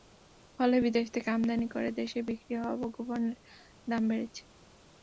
ফলে বিদেশ থেকে আমদানি করে দেশে বিক্রি হওয়া ভোগ্যপণ্যের দাম বেড়েছে।